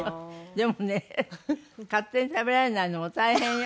でもね勝手に食べられないのも大変よ。